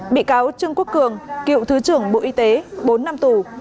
bị cáo trương quốc cường cựu thứ trưởng bộ y tế bốn năm tù